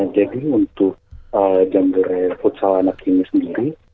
jadi untuk jambore futsal anak ini sendiri